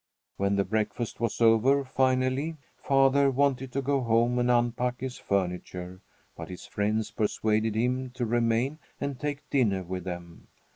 When the breakfast was over, finally, father wanted to go home and unpack his furniture, but his friends persuaded him to remain and take dinner with them.